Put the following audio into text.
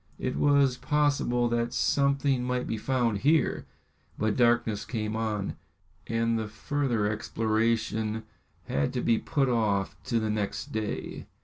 It was possible that something might be found here, but darkness came on, and the further exploration had to be put off to the next day.